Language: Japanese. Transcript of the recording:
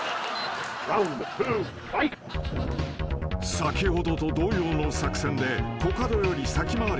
［先ほどと同様の作戦でコカドより先回りし］